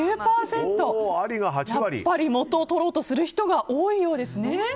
やっぱり元を取ろうとする人が多いようですね。